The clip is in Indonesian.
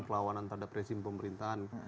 pelawanan terhadap rezim pemerintahan